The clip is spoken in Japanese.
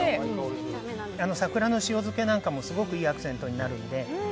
桜の塩漬けなんかもすごくいいアクセントになるので。